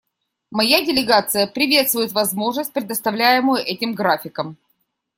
Моя делегация приветствует возможность, предоставляемую этим графиком.